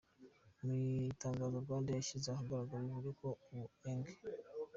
Mu itangazo RwandAir yashyize ahagaragara, ivuga ko ubu Eng.